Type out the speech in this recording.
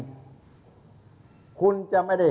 โหวตวันที่๒๒